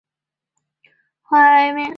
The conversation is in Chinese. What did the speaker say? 托里尼亚是巴西圣保罗州的一个市镇。